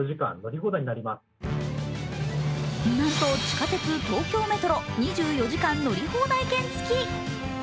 なんと地下鉄・東京メトロ２４時間乗り放題付き。